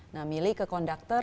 nah milih ke konduktor